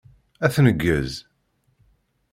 Ad tneggez.